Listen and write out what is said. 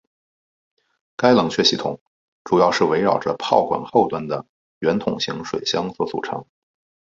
该冷却系统主要是围绕着炮管后端的圆筒形水箱所组成。